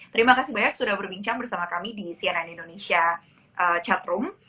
terima kasih banyak sudah berbincang bersama kami di cnn indonesia chatroom